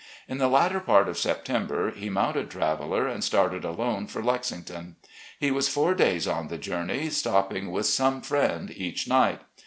In the latter part of September, he moimted Traveller and started alone for Lexington. He was four days on the journey, stopping with some friend each night.